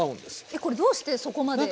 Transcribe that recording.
えっこれどうしてそこまで？